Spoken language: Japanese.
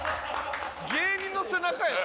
芸人の背中や。